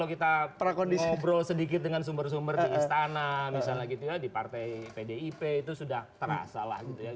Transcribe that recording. kalau kita ngobrol sedikit dengan sumber sumber di istana misalnya gitu ya di partai pdip itu sudah terasa lah gitu ya